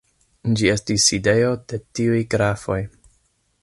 Ĝi estis sidejo de tiuj grafoj.